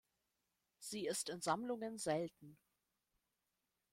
Sie ist in Sammlungen selten.